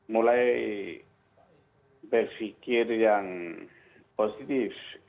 mulai berfikir yang positif